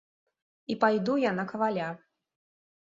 І пайду я на каваля.